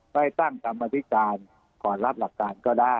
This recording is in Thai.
ไว้ตั้งคำวัติการก่อนรับหลักการก็ได้